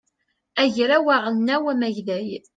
agraw aɣelnaw amagday